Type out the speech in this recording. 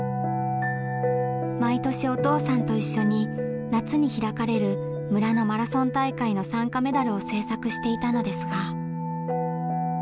毎年お父さんと一緒に夏に開かれる村のマラソン大会の参加メダルを制作していたのですが。